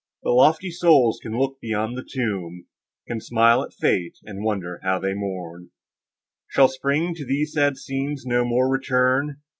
But lofty souls can look beyond the tomb, Can smile at fate, and wonder how they mourn. Shall Spring to these sad scenes no more return?